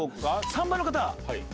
３番の方。